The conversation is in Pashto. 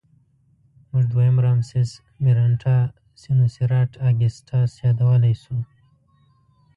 موږ دویم رامسس مېرنټاه سینوسېراټ اګسټاس یادولی شو.